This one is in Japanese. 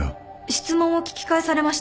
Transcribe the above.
質問を聞き返されました。